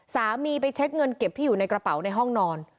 ไปเช็คเงินเก็บที่อยู่ในกระเป๋าในห้องนอน